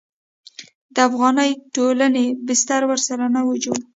د افغاني ټولنې بستر ورسره نه و جوړ.